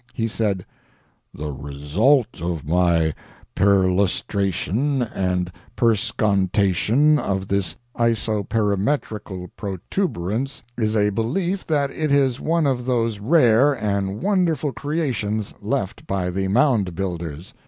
He said: "The result of my perlustration and perscontation of this isoperimetrical protuberance is a belief that it is one of those rare and wonderful creations left by the Mound Builders.